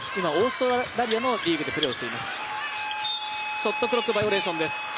ショットクロックバイオレーションです。